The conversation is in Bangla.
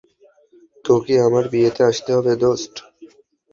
তোকে আমার বিয়েতে আসতে হবে, দোস্ত!